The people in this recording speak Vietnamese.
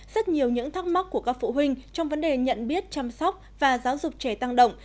rất nhiều những thắc mắc của các phụ huynh trong vấn đề nhận biết chăm sóc và giáo dục trẻ tăng động